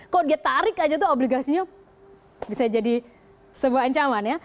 kalau dia tarik aja tuh obligasinya bisa jadi sebuah ancaman ya